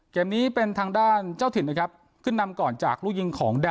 เกมนี้เป็นทางด้านเจ้าถิ่นนะครับขึ้นนำก่อนจากลูกยิงของแดน